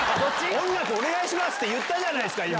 音楽お願いしますって言ったじゃないですか、今。